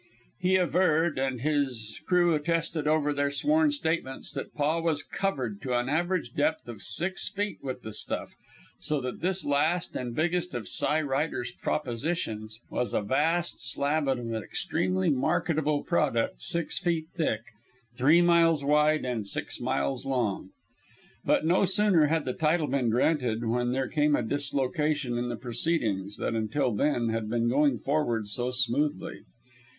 He averred, and his crew attested over their sworn statements, that Paa was covered to an average depth of six feet with the stuff, so that this last and biggest of "Cy" Ryder's propositions was a vast slab of an extremely marketable product six feet thick, three miles wide and six miles long. But no sooner had the title been granted when there came a dislocation in the proceedings that until then had been going forward so smoothly.